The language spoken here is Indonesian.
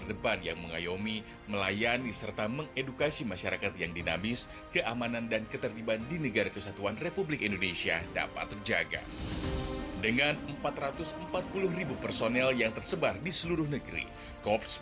dan juga untuk kekuatan dan kekuatan yang terbaik